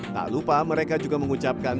tak lupa mereka juga mengucapkan